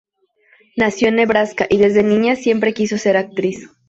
Nació en Nebraska y desde niña siempre quiso ser actriz.